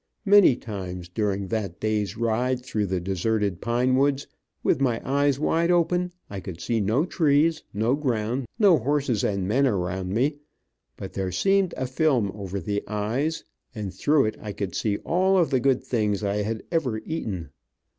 Many times during that day's ride through the deserted pine woods, with my eyes wide open, I could see no trees, no ground, no horses and men around me, but there seemed a film over the eyes, and through it I could see all of the good things I ever had eaten.